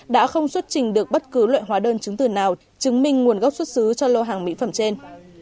đã không xuất trình được bất cứ loại hóa đơn chứng từ nào chứng minh nguồn gốc xuất xứ cho lô hàng mỹ phẩm trên